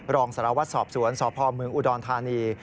รองสารวัตรสอบสวนสพเมืองอุดรธานี